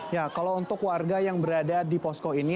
ya kalau untuk warga yang berada di posko ini